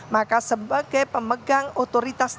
maka sebagai pemegang otoritas